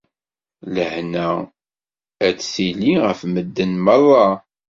Lehna ad tili ɣef medden merra.